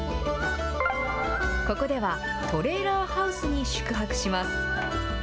ここでは、トレーラーハウスに宿泊します。